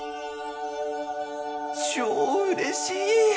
超うれしい！